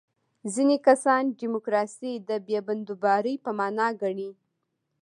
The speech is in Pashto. ځینې کسان دیموکراسي د بې بندوبارۍ په معنا ګڼي.